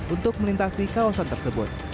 untuk melintasi kawasan tersebut